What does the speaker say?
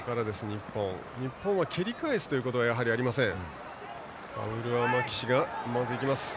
日本は蹴り返すことがやはり、ありません。